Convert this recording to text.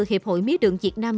hiệp hội mía đường việt nam